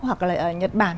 hoặc là nhật bản